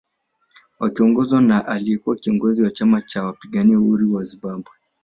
Wakiongozwa na aliyekuwa kiongozi wa chama cha wapigania uhuru wa Zimbabwe